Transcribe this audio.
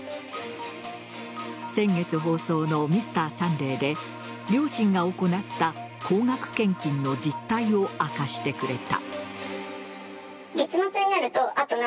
先月放送の「Ｍｒ．サンデー」で両親が行った高額献金の実態を明かしてくれた。